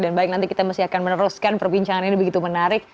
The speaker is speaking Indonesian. dan baik nanti kita akan meneruskan perbincangan ini begitu menarik